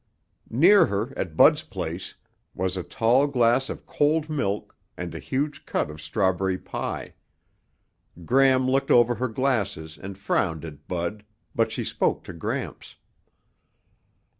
Near her, at Bud's place, was a tall glass of cold milk and a huge cut of strawberry pie. Gram looked over her glasses and frowned at Bud but she spoke to Gramps.